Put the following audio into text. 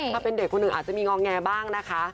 ถ้าเป็นเด็กคนหนึ่งอาจจะมีงอแงบ้างนะคะ